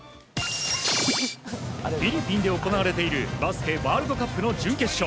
フィリピンで行われているバスケワールドカップの準決勝。